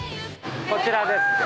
こちらです。